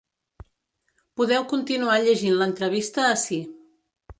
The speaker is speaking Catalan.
Podeu continuar llegint l’entrevista ací.